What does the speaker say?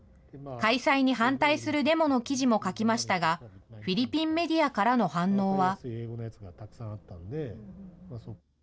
開催に反対するデモの記事も書きましたが、フィリピンメディアからの反応は。